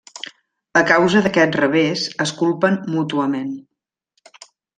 A causa d'aquest revés, es culpen mútuament.